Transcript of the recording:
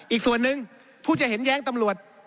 อีกส่วนหนึ่งผู้จะเห็นแย้งตำรวจ